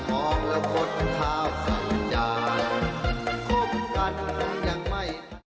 คุกกันเพิ่งยังไม่